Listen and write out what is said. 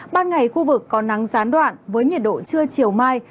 ban ngày khu vực có nắng gián đoạn với nhiệt độ trưa chiều mai